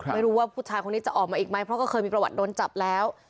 ไม่รู้ว่าผู้ชายคนนี้จะออกมาอีกไหมเพราะก็เคยมีประวัติโดนจับแล้ว